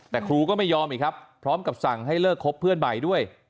แต่ครูก็ไม่ยอมอีกครับพร้อมกับสั่งให้เลิกคบเพื่อนใหม่ด้วย